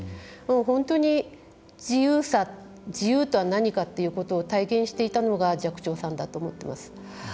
本当に自由さ自由とは何かということを体現していたのが寂聴さんだったと思っています。